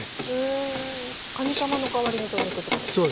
かにかまの代わりに鶏肉ってことですか？